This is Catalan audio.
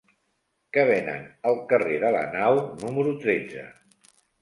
Què venen al carrer de la Nau número tretze?